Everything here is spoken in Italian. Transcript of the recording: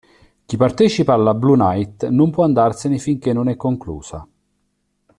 Chi partecipa alla blue night non può andarsene finché non è conclusa.